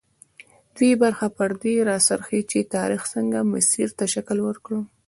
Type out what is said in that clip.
دویمه برخه پر دې راڅرخي چې تاریخ څنګه مسیر ته شکل ورکړ.